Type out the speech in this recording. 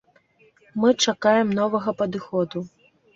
Мы чакаем новага падыходу.